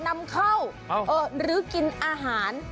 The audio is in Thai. นำเข้าหรือกินอาหาร